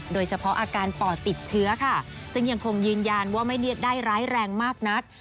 โดยเฉพาะอาการปอดติดเชื้อค่ะซึ่งยังคงยืนยันว่าไม่เรียกได้ร้ายแรงมากนัก